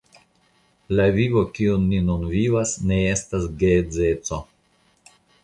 La vivo kiun ni nun vivas, ne estas geedzeco.